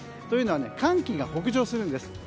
というのは寒気が北上するんです。